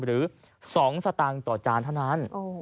หรือ๒สตางค์ต่อจานเท่านั้น